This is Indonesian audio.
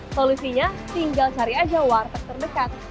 solusinya tinggal cari aja warteg terdekat